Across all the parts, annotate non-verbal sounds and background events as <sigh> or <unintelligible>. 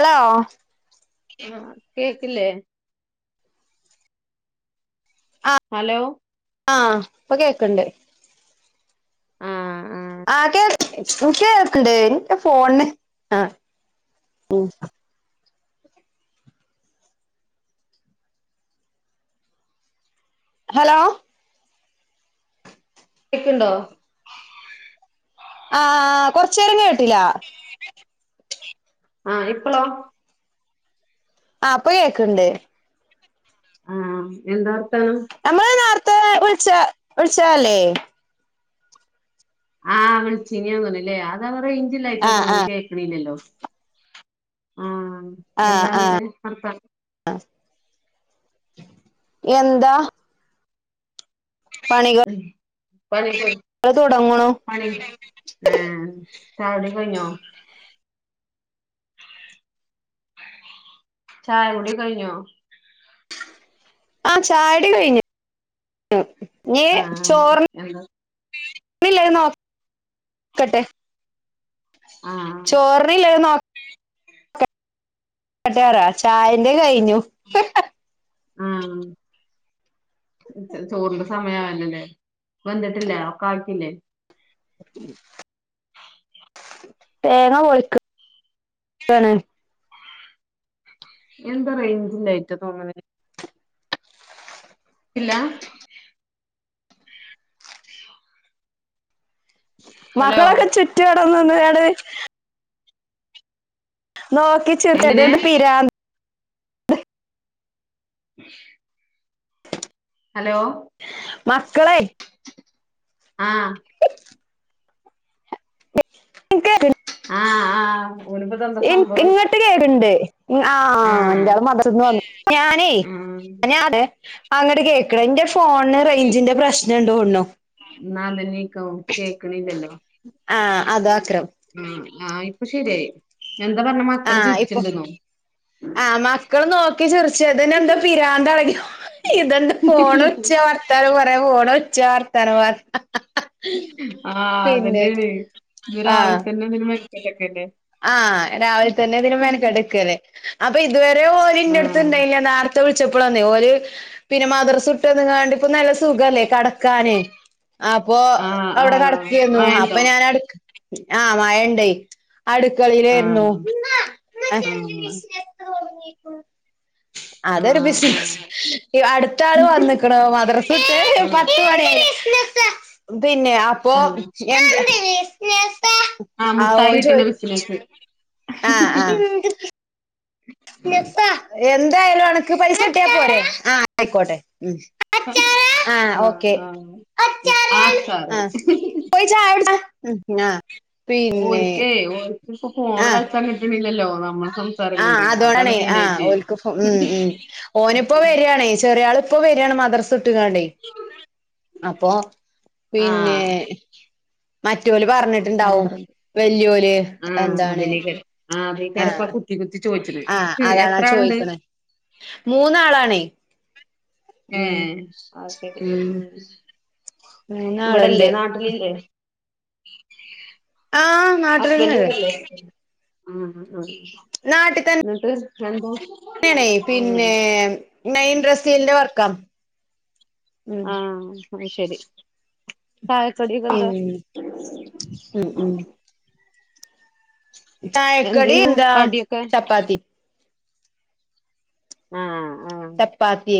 Hello ആഹ കേക്കില്ലേ hello ആഹ ഇപ്പൊ കേക്കണ്ട് ആ കേക്ക് നിക്ക് കേക്ണ്ട് എന്റ ഫോണ് ആ ഉം ഹലോ കേൾക്ക്ണ്ടോ? ആഹ്, ആഹ് കൊർച്ചേരം കേട്ട്ല. ആ, ഇപ്പളോ? ആ ഇപ്പ കേൾക്ക്ണ്ട്. ആ, എന്താ വർത്താനം? നമ്മള് നേര്ത്തെ വിളിച്ച വിളിച്ചാല്ലേ? ആ വിളിച്ചിനി തോന്ന്ണ്ല്ലേ അത അവ റേഞ്ച് ഇല്ലായിട്ട ആ ആ തോന്ന്ണ് കേ ക്ക്ണില്ലല്ലോ, ആഹ് ആഹ്, ആഹ് അ എന്താ? പണികൾ ഉം പണി ഒക്കെ തുടങ്ങണു പണി ഒക്കെ കഴിഞ്ഞോ? ആഹ് ചായക്കുടിയൊക്കെ കഴിഞ്ഞോ? ചായ കുടി കഴിഞ്ഞോ? ആ ചായ കുടി കഴിഞ്ഞു. ഇനീ ആ ചോറിന് എന്താ <unintelligible> നോക്കട്ടെ ആ ചോറിന് ഇല്ലേ നോ ക്കട്ടെ പറയ്, ചായന്റെ കഴിഞ്ഞു. ആ ചോറിന്റെ സമയാണല്ലലേ. വന്നിട്ടില്ല അപ്പ <unintelligible> പിന്നെ <inaudible> തേങ്ങ പൊളിക്ക്. തന്നെ എന്താ റേഞ്ചില്ലായിട്ട തോന്ന്ണെ ഇല്ല ഹലോ മക്കളൊക്കെ ചുറ്റ് അവ്ടെ നിന്ന്ക്കാണ് നോക്കി ചിറിച്ചിട്ട് എങ്ങനെ ഇങ്ങട്ട് പിരാ <inaudible> ഹലോ മക്കളെ ആഹ് <inaudible> ആഹ് ആഹ് ഓനിപ്പതെന്താ <unintelligible> സംഭവം ഇങ്ങട്ട് കേറ്ണ്ട്. ആഹ്, ആഹ് ഇന്റാള് മദ്രസ്‌ വന്നു. ഞാനേ ആഹ് അതെ അങ്ങട്ട് കേ ക്ക്ണ് ഇന്റെ ഫോണ്ന് റൈഞ്ചിന്റെ പ്രശ്നണ്ട് തോന്ന്ണ്. ഇന്നാ അതെന്നേക്കും കേക്ക് ണില്ലല്ലോ. ആഹ് അതാക്രം ഉം, ആ ഇപ്പ ശെരിയായി. എന്താ പറഞ്ഞേ മക്കള് ചിരിച്ചിണ്ടെന്നോ? ആ, മക്കള് നോക്കി ചിറിച്ച് ഇതിന് എന്താ പിരാന്തായോ? ഇതെന്താ ഫോണ് വിളിച്ച് വർത്താനം പറയ്, ഫോണ് വിളിച്ച് വർത്താനം പറയ് ആ അതെന്നെ ആണ്. ഇത് രാവിലെ തന്നെ ഇതിന് മെനെക്കെട്ന്നെല്ലേ. ആ, രാവിലെ തന്നെ ഇതിന് മെനെക്കെട്ട് നിക്ക്ലേ, അപ്പൊ ഇതുവരെ ഓല് ഇന്റെ അട്ത്ത് ആഹ് ഇണ്ടായിനിയതാ നേര് ത്ത വിളിച്ചപ്പളാന്നേ ഓല് പിന്നെ, മദർസ് വിട്ട് വന്ന്ക്കാണ്ട് ഇപ്പ നല്ല സുഖല്ലേ കടക്കാന്. അപ്പൊ ആഹ് അവിടെ ആഹ് കടക്കേര്ന്നു. അപ്പ മഴയുണ്ടോ ഞാന് <unintelligible> ആ മഴ ഇണ്ടേ. അട്ക്കളേലേര്ന്നു. ആഹ് ആഹ് <unintelligible> അതൊരു ബിസിനസ് ആഹ് അടുത്ത ആള് വന്നിക്ക്ണ മദ്രസ്ത്തെ ആഹ് പത്ത് മണിയായി. <inaudible> പിന്നെ അപ്പൊ ആഹ് ആ ആഹ് മുട്ടായി ഓൻ കിട്ട്ണ ചോയ് ബിസിനസ്സ്. ഹ് ഹ് ഹ് ഹ് <inaudible> എപ്പാ എന്തായാലും അനക്ക് പൈസ കട്ടിയാൽ പോരെ ആഹ് ആയിക്കോട്ടെ ഉ ആഹ് ആഹ് ആക്ക ആഹ് <inaudible> ഓ പിന്നെ ഒൽക്കേ ഇപ്പോ ഫോൺ ആഹ് കളിച്ചാൻ കിട്ടണില്ലല്ലോ നമ്മളെ സംസാരം ആഹ് കൊണ്ട് അതാണ് അതോടണ് ആഹ് മെയിനായിട്ട് ഓൽക്ക് ഉം ഉം ഓനിപ്പോ വരിയാണേ ചെറിയ ആൾ ഇപ്പൊ വരിയാണ് മദറസ്ട്ട്ങടെ അപ്പൊ പിന്നെ ആഹ് മറ്റൊല് പറഞ്ഞിട്ടുണ്ടാവും പന്ത്രണ്ട് വല്യല് ആഹ് എന്താണ് അതിനേക്കാരം ആഹ് അതെക്കാരം ആഹ് ഇപ്പം കുത്തി കുത്തി ചോദിച്ചിന് ആഹ് അതാണ് ആ എത്ര ആൾണ്ട് ചോദിക്കണേ മൂന്നാളാണേ ഏ ഉം അത്ശരി ഉം മൂന്നാളുണ്ട് ഇവിടെല്ലേ നാട്ടിലില്ലേ ആ ഹസ്ബൻഡ് നാട്ടിലന്നെല്ലേ ഇവിടെല്ലേ എന്നട്ട് എന്തോ ഇവിടുന്നാണേ പിന്നെ മൈയിൻ ഡ്രസീലിന്റെ വർക്കാ ഉം ആഹ് അത് ശരി ശരി ചായക്കടി ഉം ഉം ഉം ചയക്കടി എന്തേനു എന്ത കടിയൊക്കെ ചപ്പാത്തി ആഹ്ആഹ് ചപ്പാത്തി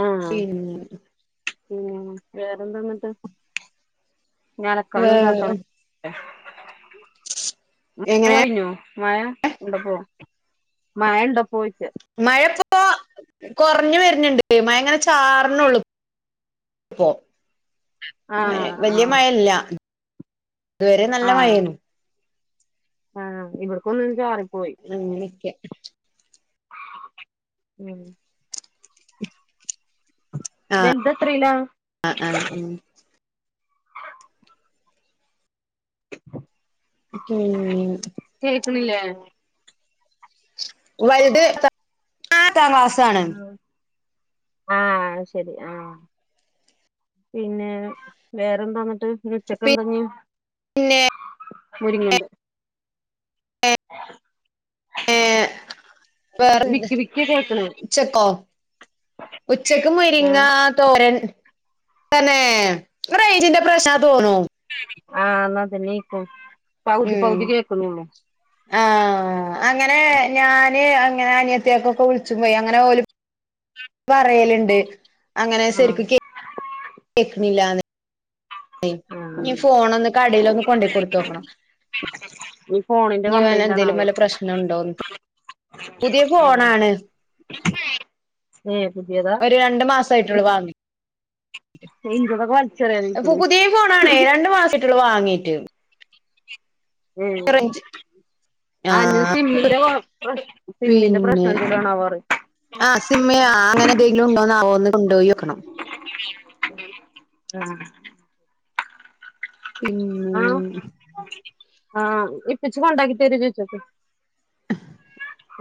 ആഹ് പിന്നെ പിന്നെ വേറെന്താന്നിട്ട് ഇഞ്ഞ് വേറെ അലക്കാനുംതാക്കനും. എങ്ങനെ മഴ ഉണ്ടപ്പോ മഴ ഇണ്ടപ്പോന്ന് ചോയ്ച്ച മഴ ഇപ്പോ കൊറഞ്ഞു വര്ന്ന്ണ്ട് മഴ ഇങ്ങനെ ചാറ്ണൊള്ളു ആഹ് വല്യയ ആഹ് മഴല്ല ഇതുവരെ നല്ല മഴ ആഹ് ആയിരുന്നു ആഹ് ഇവിടക്കൊന്ന് ചാറിപ്പോയി അങ്ങനൊക്കെ ഉം ആ വൽദെത്രീലാ ആ ആ ഉം കേക്ക്ണില്ലേ വൽത് എട്ടാം ക്ലാസാണ് ഉം ആഹ് അത്ശരി ആഹ് പിന്നെ വേറെന്താ ന്നട്ട് ഇഞ്ഞ് പി ഉച്ചക്കെന്തഞ്ഞി പിന്നെ മുരിങ്ങണ്ട് ഏ വേറെന്താ വിക്കി വിക്കി കേക്കണ് ഉച്ചക്കോ ഉച്ചക്ക് മുരിങ്ങ ഏഹ് തോരൻ തന്നെ റൈഞ്ചിന്റെ പ്രശ്നാന്ന് തോന്നുന്നു ആഹ് ഇഞ്ഞഅതന്നേക്കും ഉം ആഹ് അങ്ങനെ ഞാന് അങ്ങനെ അനിയത്തിയാകൊക്കെ വിളിച്ചുമ്പെ അങ്ങനെ ഓല് പറയല്ണ്ട് അങ്ങനെ ആഹ് സെരിക്ക് കേ കേക്ക്ണില്ലാന്ന്. ആഹ് ഈ ഫോണൊന്ന് കടേലൊന്ന് കൊണ്ടയി കൊടുത്തോക്കണം. ഉം ഫോണിന്റെ എന്തേലും കംപ്ലൈയിന്റാണാവേ വല്ല പ്രശ്നണ്ടോന്ന് പുതിയ ഉം ഫോണാണ് ഏഹ് പുത്യേതാ. ഒരു രണ്ടു മാസായിട്ടൊള്ളൂ വാങ്ങീ ഇന്റതൊക്കെ വലിച്ചെറിയാൻ ആയിക്ക്ണ്. പുത്യ ഫോണാണേ. രണ്ടു മാസായി റ്റുള്ളു വാങ്ങീട്ട്. ഉം റേഞ്ച് ആ ഇഞ്ഞ് ആഹ് സിമ്മിന്റെ കൊഴപ്പം സിമ്മിന്റെ പ്രശ്നം പിന്നെ എന്തേലാണവോറ്യ ആ സിമ്മ് അങ്ങനെ എന്തെങ്കിലു ഉണ്ടോന്നാവോ ഒന്ന് കൊണ്ടോയോക്കണം. ആഹ് ആ പിന്നെ ആ ഇപ്പച്ചി കൊണ്ടാക്കി തരോ ചോയ്ച്ചോക്ക്.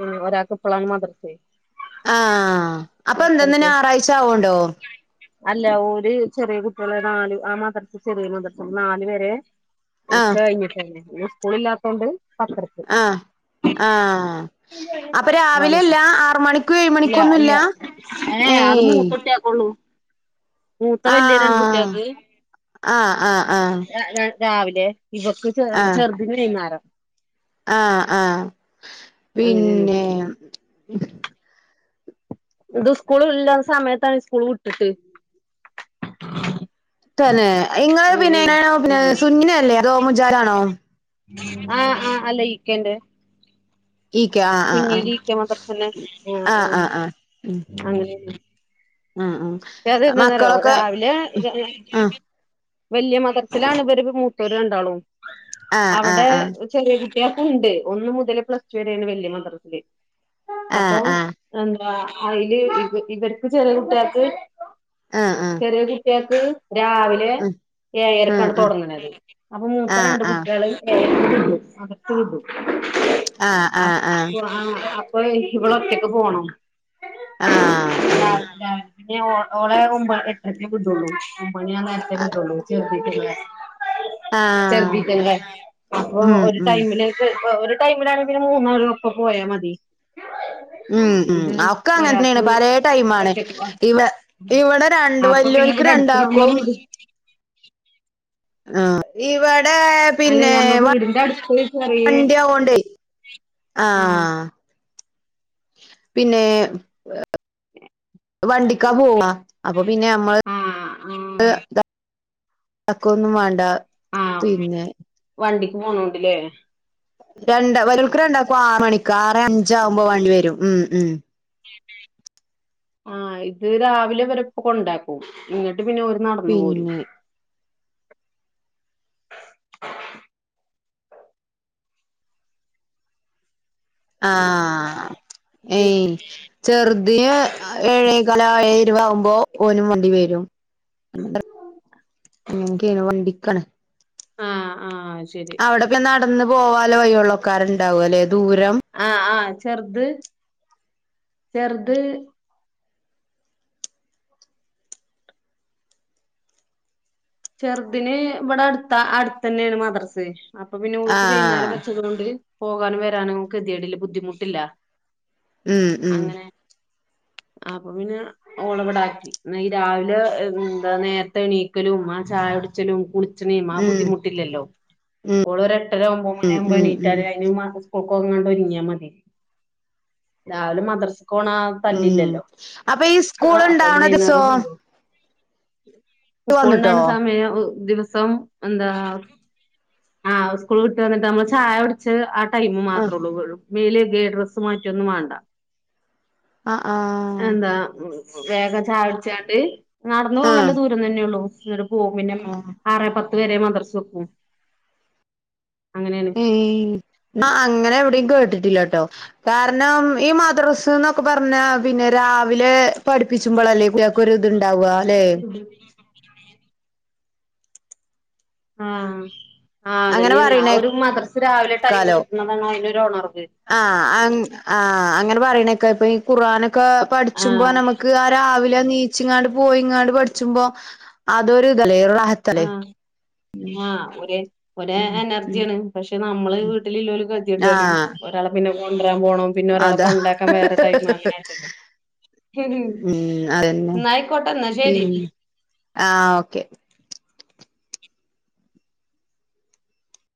ഉം ഒരാൾക്ക് ഇപ്പളാണ് മദർസെ ആ അപ്പൊ എന്ത ഇന്ന് ഞ്ഞായറാഴ്ച ആവോണ്ടൊ. അല്ല ഓര് ചെറ്യേ കുട്ട്യേളെ നാല് ആ മദർസ് ചെറിയ മദർസാ നാല് വരെ. ഉച്ച ആഹ് കഴിഞ്ഞിട്ടേനി. ഇന്ന് സ്കൂളില്ലാത്തോണ്ട് പത്തര് അഹ് ആഹ്. അപ്പൊ ഇല്ല രാവിലെല്ല ആറ് മണിക്കും ഏഴ് മണിക്കൊന്നുല്ല ഇല്ല ഏ ഏ അത് ഏഹ് മൂത്ത കുട്ട്യേക്കൊള്ളു. മൂത്ത വെല്യ രണ്ട് ആഹ് കുട്ട്യേക്ക്. ആഹ് ആഹ് ആഹ് രാവിലെ ഇവക്ക് ചെറുതിന് വൈന്നാരം. ആ ആ അങ്ങനെയാണ് പിന്നെ ഇത് സ്കൂൾ ഇല്ലാത്ത സമയത്താണ് സ്കൂൾ വിട്ടിട്ട്. തന്നെ ഇങ്ങള് അങ്ങനെയാണ് പിന്നെ ഉം സുന്ന്യല്ലേ അതോ മുജാഹിദാണോ. ആ ആ അല്ല ഈക്കന്റെ. ഈക്കെ ആ ആ ആ ഇക്ക മദ്രസന്നെ ആഹ് ആ ആ ആഹ് ആ ഉം അഹ് ആഹ്. ക്ഷ <unintelligible> അത് എന്താന്നറ്യാെ രാവിലെ ആഹ് വെല്യ മദ്രസ്സിലാണ് ഇവര് മൂത്തോര് രണ്ടാളും ആഹ് അവിടെ ആഹ് ചെറിയ കുട്ട്യേക്കുണ്ട്. ഒന്ന് മുതല് പ്ലസ് റ്റു വരെയാണ് വല്യ മദ്രസ്സില് ആഹ് അപ്പം. എന്താ അയ്ല് ഇവർക്ക് ചെറിയ കുട്ട്യേക്ക് ആ ആ ചെറിയ കുട്ട്യേക്ക് രാവിൽ ഉം ഏഴര്ക്കാണ് ഉം തൊടങ്ങ്ണത്. അപ്പൊ മൂത്ത ആഹ് ആഹ് രണ്ട് കുട്ട്യേള് ആഹ് ആഹ് ആഹ് <unintelligible> ഇവിളൊറ്റക്ക് പോണം. ആഹ് ആഹ് പിന്നെ ഓളെ എട്ടര്ക്കേ വിടൊള്ളൂ. ഒമ്പണി ആ നേര്ത്തെ വിടൊള്ളു ചെറത് ആഹ് ചെറുതീറ്റങ്ങട്ടെ. അപ്പൊ ഉം ഒരു ഉം ടൈമില് ഒരു ടൈമിലാണെങ്കി മൂന്നാരും ഒപ്പം പോയാ മതി. ഉം ഉം ഇത് അത് ഒക്കെ അങ്ങൻത്തന്നെയാണ് ഒരാൾക്ക് പലേ ടൈമാണ് ഒറ്റക്ക് ഇവ ഇവടെ രണ്ട് അപ്പൊ പിന്നെ വല്യാേൽക്ക് ഇവിടെ അടുത്ത് രണ്ടാക്കും <inaudible> ആ ഇവടേപ് അല്ല പിന്നെ നമ്മളെ വ വീടിന്റെ അടുത്ത് ചെറിയ വണ്ടി ആവോണ്ടേ ആഹ് പിന്നേ വണ്ടിക്കാ പോവ അപ്പൊ പിന്നെ നമ്മള് ആഹ് ആഹ് അക്ക് ഒന്നും വേണ്ട ആഹ് പിന്നെ വണ്ടിക്ക് പോണോണ്ടല്ലേ രണ്ട വല്യവരിക്കു രണ്ടാക്കും ആറ് മണിക്ക് ആറെ അഞ്ചാകുമ്പോ വേണ്ടി വരും ഉ ഉം ആഹ് ഇത് രാവിലെ ഇവരെപ്പൊ കൊണ്ടാക്കും ഇങ്ങിട്ട് പിന്നെ ഒരു നടന്നു പോരും പിന്നെ <inaudible> ആഹ് ചെറുതിന് ഏഴേകാല് ഏഴെരൂപത് ആകുമ്പോ ഓന് വണ്ടി വരും അങ്ങനക്കണ് വണ്ടിക്കണ ആഹ് ആഹ് ശരി അവിടെക്കെ നടന്നു പോവാല വഴിയൊള്ളക്കാരുണ്ടാവും അല്ലെ ദൂരം ആഹ് ആഹ് ചെറുത് ചെറുത് ചെറുതിന് ഇവിടെ അടുത്ത അടുത്ത തന്നെയാണ് മദ്രസ് അപ്പൊ പിന്നെ ഓർക്ക് വൈകുന്നേരം ആഹ് വെച്ചത കൊണ്ട് പോകാനും വരാനുംങ്ങക്ക് ഗതിതിടില്ല ബുദ്ധിമുട്ടില്ല ഉം ഉം അങ്ങനെ അപ്പൊ പിന്നെ ഓളവിടാക്കി എന്ന ഈ രാവിലെ എന്താ നേരത്തെ എണീക്കലും ചായകുടിച്ചലും കുളിച്ചണെയും ആ ഉം ബുദ്ധിമുട്ടില്ലല്ലോ ഓള് ഒരു എട്ടര ഒമ്പത് മണി ഉം ഉം ആവുമ്പോണീറ്റാ ഉം അതിന് സ്കൂൾക്ക്ങ്ങാണ്ട ഒരുങ്ങിയാൽ മതി രാവിലെ മദ്രസ്സക്കോണ ആ ഉം തല്ലില്ലല്ലോ അപ്പൊ ഈ ആ സ്കൂൾ അപ്പൊ അത് ഉണ്ടാവണ ദിവസോ വൈകുന്നേരം സോ വന്നിട്ടോ സ്കൂളാണ് സമയം ദിവസം എന്താ ആ സ്കൂൾ വിട്ട് വന്നിട്ടനമ്മള് ചായകുടിച്ചതെ ടൈമ് ആഹ് മാത്രേ ഉള്ളൂ മേല ഡ്രസ്സ് മറ്റൊന്നും വേണ്ട ആഹ് എന്താ വേഗം ചായുടിച്ചിങ്ങാണ്ട് നടന്നു ആഹ് പോകേണ്ട ദൂരം തന്നെയെയുള്ളൂ പോകും പിന്നെ ആഹ് ആറെ പത്ത് പത്തു വരെ മദ്രസ്സെക്കും അങ്ങനെ അങ്ങനെ എവിടെ കേട്ടിട്ടില്ല കേട്ടോ കാര കാരണം ഈ മദ്രസ് എന്നൊക്കെ പറഞ്ഞ പിന്നെ രാവിലെ പഠിപ്പിച്ചുമ്പോളല്ലേ ഈറ്റിയകൾക്കൊക്കെ ഒരു ഇത്ണ്ടാവുക അല്ലെ ആഹ് ആഹ് അങ്ങനെ അതന്നെയാണ് ആ ഒരു പറയണേക്കാലോ മദ്രസ്സ രാവിലെ ടൈം കിട്ടുന്നതാണ് അതിനൊരു ഉണർവ് ആഹ് ആഹ് അങ്ങനെ പറയണ ഒക്കെ ഇപ്പൊ ഈ ഖുആൻൊക്കെ പഠിച്ചുമ്പോ ആഹ് നമ്മക്ക് ആഹ് രാവിലെണീച്ചിങ്ങാണ്ട് പോയിങ്ങാണ്ട് പഠിച്ചുമ്പോ അതൊരു ഇതല്ലേ ആഹ് ആഹ് ഒരു ഒരെനർജിയാണ് പക്ഷെ നമ്മള് വീട്ടിലില്ലോല് ഗതികെട്ടൊരു ആഹ് ഒരാളെ പിന്നെ കൊണ്ടുവരാൻ പോണം പിന്നെരാള അതാ കൊണ്ടാക്കാ വേറെ ടൈമ് അങ്ങനെളളത് ഉം ഉം അതന്നെ ന്നായക്കോട്ട ന്നാശെരി ഇനി ആഹ് ഓക്കെ